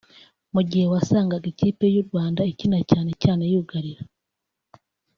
mu gihe wasangaga ikipe y’u Rwanda ikina cyane cyane yugarira